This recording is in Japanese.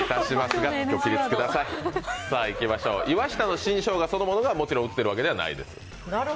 岩下の新生姜そのものが売っているわけではないです。